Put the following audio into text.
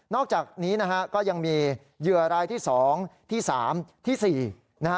อกจากนี้นะฮะก็ยังมีเหยื่อรายที่๒ที่๓ที่๔นะฮะ